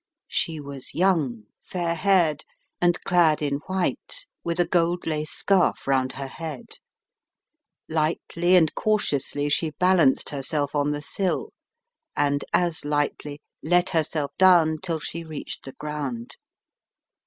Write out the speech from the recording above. She was young, fair haired, and clad in white with a gold lace scarf round her head. Lightly and cau tiously she balanced herself on the sill and as lightly let herself down till she reached the ground.